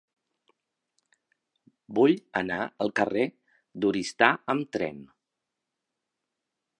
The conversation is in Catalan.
Vull anar al carrer d'Oristà amb tren.